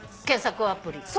検索アプリ。